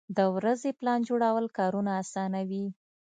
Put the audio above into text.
د ورځې پلان جوړول کارونه اسانوي.